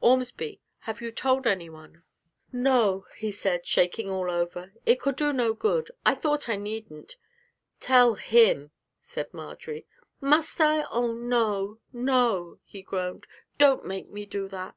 Ormsby, have you told anyone?' 'No,' he said, shaking all over, 'it could do no good.... I thought I needn't.' 'Tell him,' said Marjory. 'Must I? Oh, no, no!' he groaned, 'don't make me do that!'